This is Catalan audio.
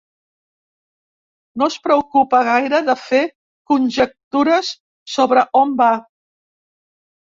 No es preocupa gaire de fer conjectures sobre on va.